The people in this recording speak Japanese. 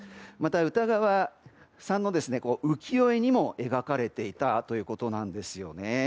また、歌川さんの浮世絵にも描かれていたということなんです。